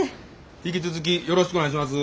引き続きよろしくお願いします。